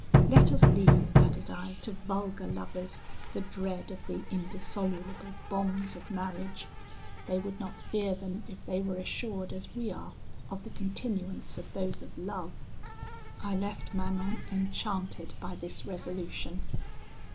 Let us leave,' added I, 'to vulgar lovers the dread of the indissoluble bonds of marriage; they would not fear them if they were assured, as we are, of the continuance of those of love.' I left Manon enchanted by this resolution.